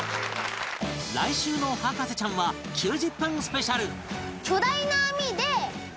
来週の『博士ちゃん』は９０分スペシャル！